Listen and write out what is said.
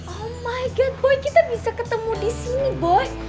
oh my god boy kita bisa ketemu disini boy